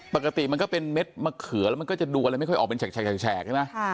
ปกติมันก็เป็นเม็ดมะเขือแล้วมันก็จะดูอะไรไม่ค่อยออกเป็นแฉกใช่ไหม